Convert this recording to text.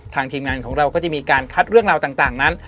ทีมงานของเราก็จะมีการคัดเรื่องราวต่างนั้น